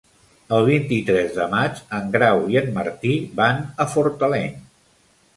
El vint-i-tres de maig en Grau i en Martí van a Fortaleny.